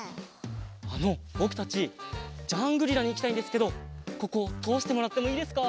あのぼくたちジャングリラにいきたいんですけどこことおしてもらってもいいですか？